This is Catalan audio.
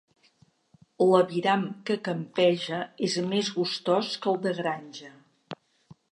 L'aviram que campeja és més gustós que el de granja.